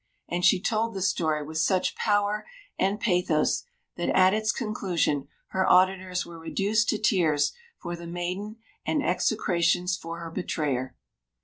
And she told the story with such power and pathos that, at its conclusion, her auditors were reduced to tears for the maiden and execrations for her betrayer.